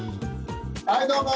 はいどうも！